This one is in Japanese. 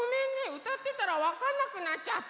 うたってたらわかんなくなっちゃった。